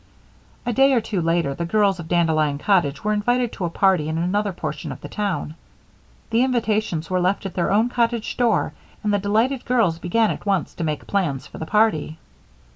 A day or two later, the girls of Dandelion Cottage were invited to a party in another portion of the town. The invitations were left at their own cottage door and the delighted girls began at once to make plans for the party.